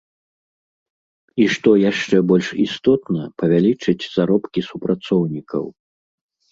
І што яшчэ больш істотна, павялічыць заробкі супрацоўнікаў.